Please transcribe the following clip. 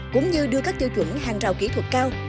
cũng như đưa các tiêu chuẩn hàng rào kỹ thuật cao